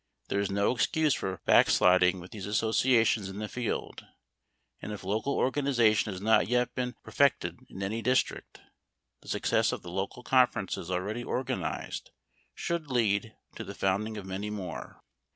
There is no excuse for back sliding with these associations in the field; and if local organization has not yet been perfected in any district, the success of the local conferences already organized should lead to the founding of many more.